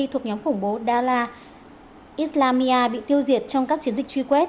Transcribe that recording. thuộc nhóm khủng bố dala islamia bị tiêu diệt trong các chiến dịch truy quét